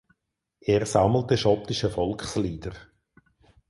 Er sammelte schottische Volkslieder.